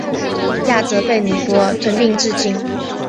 亚泽被尼泊尔吞并至今。